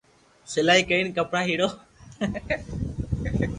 سلائي ڪرين ڪپڙا ھيڙوو